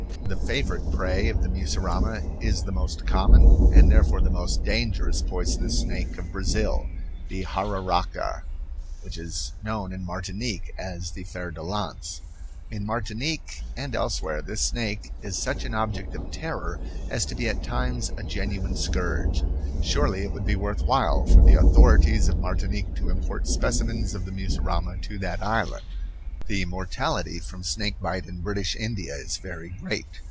The favorite prey of the mussurama is the most common and therefore the most dangerous poisonous snake of Brazil, the jararaca, which is known in Martinique as the fer de lance. In Martinique and elsewhere this snake is such an object of terror as to be at times a genuine scourge. Surely it would be worth while for the authorities of Martinique to import specimens of the mussurama to that island. The mortality from snake bite in British India is very great.